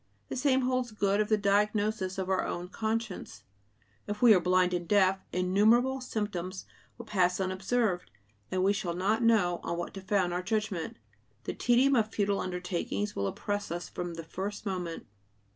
The same holds good of the diagnosis of our own conscience; if we are blind and deaf, innumerable symptoms will pass unobserved, and we shall not know on what to found our judgment. The tedium of futile undertakings will oppress us from the first moment.